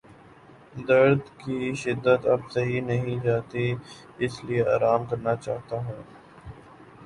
درد کی شدت اب سہی نہیں جاتی اس لیے آرام کرنا چاہتا ہوں